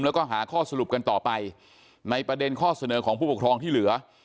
แล้วก็หาข้อสรุปกันต่อไปในประเด็นข้อเสนอของผู้ปกครองที่เหลือ